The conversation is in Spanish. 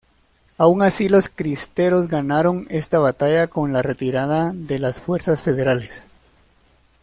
Aun así los cristeros ganaron esta batalla con la retirada de las fuerzas federales.